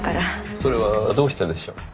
それはどうしてでしょう？